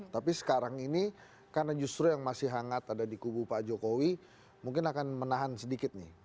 tapi sekarang ini karena justru yang masih hangat ada di kubu pak jokowi mungkin akan menahan sedikit nih